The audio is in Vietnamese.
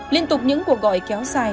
liên tục những cuộc gọi kéo dài